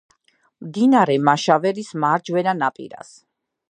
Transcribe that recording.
მდინარე მაშავერის მარჯვენა ნაპირას.